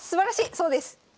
そうです！